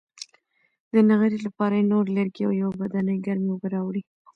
د نغري لپاره یې نور لرګي او یوه بدنۍ ګرمې اوبه راوړې.